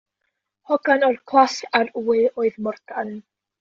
Hogan o'r Clas-ar-wy oedd Morgan.